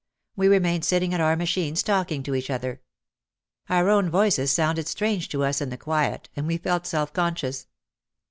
We remained sitting at our machines talking to each other. Our own voices sounded strange to us in the quiet and we felt self conscious.